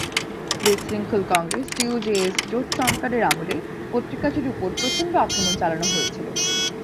বিশৃঙ্খল কংগ্রেস-টিইউজেএস জোট সরকারের আমলে পত্রিকাটির উপর প্রচণ্ড আক্রমণ চালানো হয়েছিল।